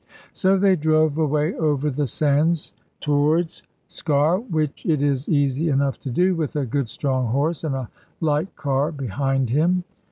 So they drove away over the sands towards Sker, which it is easy enough to do with a good strong horse and a light car behind him.